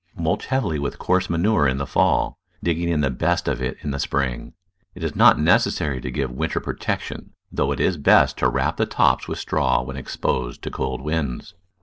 Mulch heavily with coarse manure in the fall, digging in the best of it in the spring. It is not necessary to give winter protection, though it is best to wrap the tops with straw when exposed to cold winds.